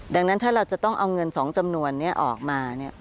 ดังนั้นถ้าเราจะต้องเอาเงิน๒จำนวนนี้ออกมา